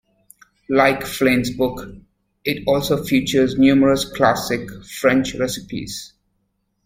Like Flinn's book, it also features numerous classic French recipes.